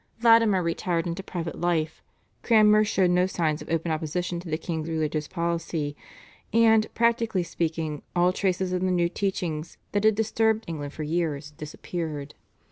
Latimer retired into private life; Cranmer showed no signs of open opposition to the king's religious policy, and, practically speaking, all traces of the new teachings that had disturbed England for years disappeared.